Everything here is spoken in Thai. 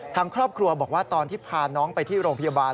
ทางครอบครัวบอกว่าตอนที่พาน้องไปที่โรงพยาบาล